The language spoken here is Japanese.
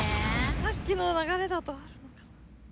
さっきの流れだと。